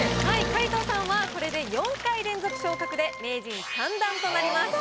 皆藤さんはこれで４回連続昇格で名人３段となります。